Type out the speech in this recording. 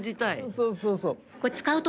そうそうそう。